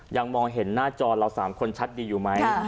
ยังมองเห็นหน้าจอเรา๓คนชัดดีอยู่ไหม